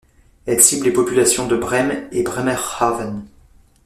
Elle cible les populations de Brême et Bremerhaven.